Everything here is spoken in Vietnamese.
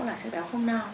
là chất béo không no